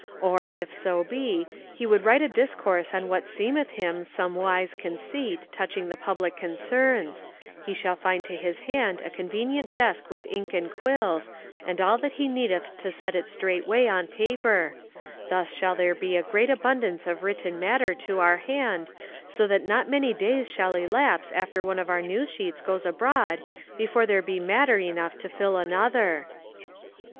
Or, if so be, he would write a discourse on what seemeth him some wise conceit touching the public concerns, he shall find to his hand a convenient desk with ink and quills and all that he needeth to set it straightway on paper; thus shall there be a great abundance of written matter to our hand so that not many days shall elapse after one of our news sheets goes abroad before there be matter enough to fill another."